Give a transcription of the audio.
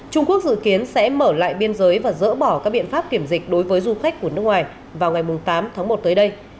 trung quốc dự kiến sẽ mở lại biên giới và dỡ bỏ các biện pháp kiểm dịch đối với du khách của nước ngoài vào ngày tám tháng một tới đây